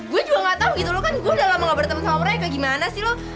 gue juga gak tau gitu lo kan gue udah lama gak berteman sama orang ya kayak gimana sih lo